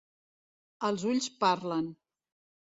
Els ulls parlen.